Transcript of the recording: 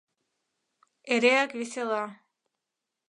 Эреак весела.